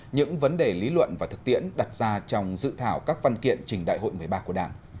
những vấn đề lý luận và thực tiễn đặt ra trong dự thảo các văn kiện trình đại hội một mươi ba của đảng